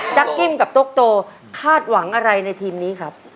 กิ้มกับตกโตคาดหวังอะไรในทีมนี้ครับ